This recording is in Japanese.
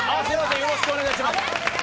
よろしくお願いします。